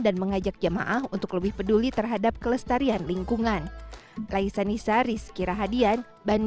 dan mengajak jamaah untuk lebih peduli terhadap kelestarian lingkungan